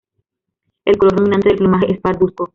El color dominante del plumaje es parduzco.